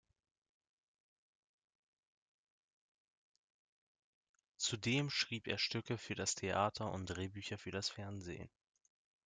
Zudem schrieb er Stücke für das Theater und Drehbücher für das Fernsehen.